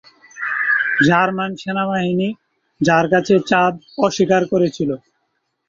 German সেনাবাহিনী, যার কাছে চাঁদ অস্বীকার করেছিল।